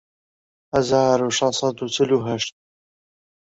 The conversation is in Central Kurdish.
هەزار و شەش سەد و چل و هەشت